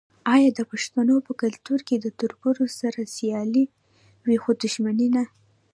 آیا د پښتنو په کلتور کې د تربور سره سیالي وي خو دښمني نه؟